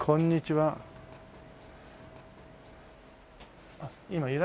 はい。